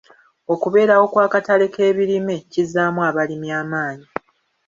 Okubeerawo kw'akatale k'ebirime kizzaamu abalimi amaanyi.